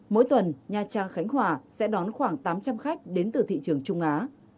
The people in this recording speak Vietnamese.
mỗi tuần nha trang khánh hòa sẽ đón khoảng tám trăm linh khách đến từ thị trường trung á